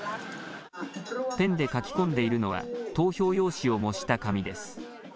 ペンで書き込んでいるのは、投票用紙を模した紙です。